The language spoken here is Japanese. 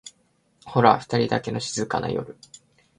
ホラふたりだけの静かな夜を